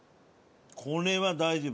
これは大丈夫。